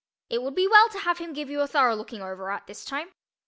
It would be well to have him give you a thorough looking over at this time.